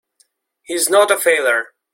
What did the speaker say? He's not a failure!